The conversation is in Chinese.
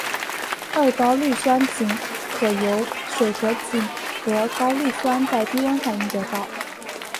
二高氯酸肼可由水合肼和高氯酸在低温反应得到。